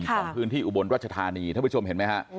ของพื้นที่อุบลรัชธานีท่านผู้ชมเห็นไหมฮะ